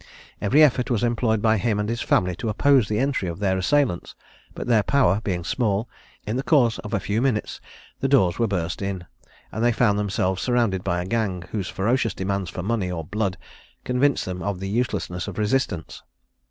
Every effort was employed by him and his family to oppose the entry of their assailants, but their power being small, in the course of a few minutes the doors were burst in, and they found themselves surrounded by a gang, whose ferocious demands for money or blood convinced them of the uselessness of resistance.